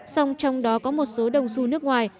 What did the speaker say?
xong trong đó có một số đồng su nước ngoài